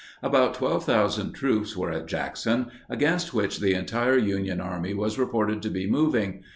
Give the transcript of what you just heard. About 12,000 troops were at Jackson, against which the entire Union Army was reported to be moving.